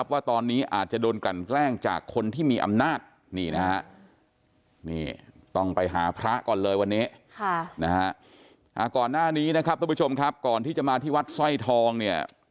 ก่อนหน้านี้นะครับทุกผู้ชมครับก่อนที่จะมาที่วัดสร้อยทองเนี่ย